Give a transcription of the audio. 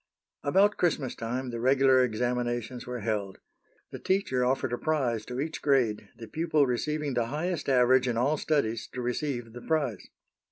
About Christmas time the regular examinations were held. The teacher offered a prize to each grade, the pupil receiving the highest average in all studies to receive the prize.